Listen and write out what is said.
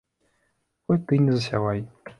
Хоць ты і не засявай.